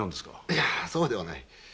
いやそうではない。